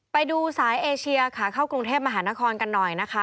ไปดูสายเอเชียขาเข้ากรุงเทพมหานครกันหน่อยนะคะ